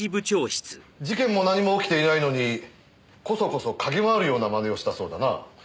事件も何も起きていないのにこそこそ嗅ぎ回るような真似をしたそうだな？